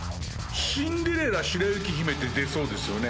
シンデレラ白雪姫って出そうですよね。